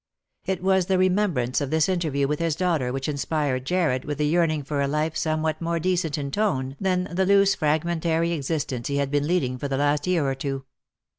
It was the remembrance of this interview with his daughter which inspired Jarred with the yearning for a life somewhat more decent in tone than the loose fragmentary existence he had been leading for the last year or two.